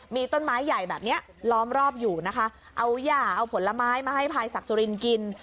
มีต้นไม้ใหญ่แบบนี้ล้อมรอบอยู่นะคะเอาย่าเอาผลไม้มาให้พลายศักดิ์สุรินกิน